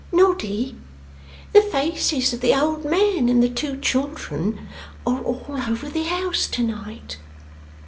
'Noddy, the faces of the old man and the two children are all over the house to night.